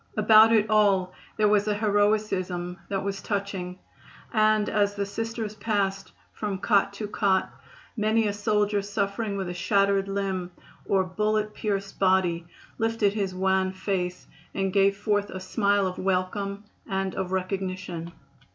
About it all there was a heroism that was touching, and as the Sisters passed from cot to cot many a soldier suffering with a shattered limb or bullet pierced body lifted his wan face and gave forth a smile of welcome and of recognition.